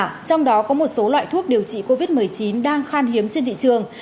trong đó có một số loại thuốc điều trị covid một mươi chín đang khan hiếm trên thị trường